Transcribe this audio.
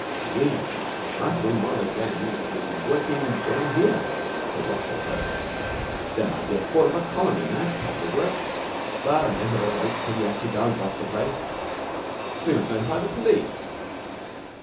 'Gee! Must have been one of the gang that's been working down here,' said Roscoe Sherriff. 'There might be a quarter of a column in that, properly worked, but I guess I'd better wait until he actually does bust the place.' 'We must notify the police!'